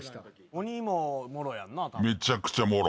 鬼もモロやんな。